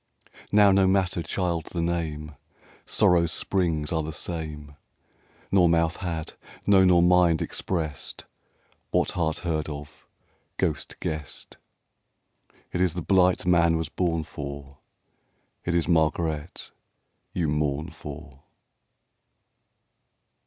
Now no matter,, child, the name : Sorrow's springs a>e the same. Nor mouth had, no nor mind, expressed What heart heard of, ghost guessed : It is the blight man was born for, It is Margaret you mourn for.